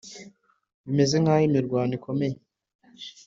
bimeze nk'aho imirwano ikomeye